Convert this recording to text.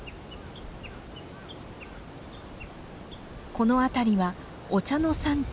この辺りはお茶の産地